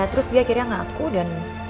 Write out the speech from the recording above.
terus dia akhirnya ngaku dan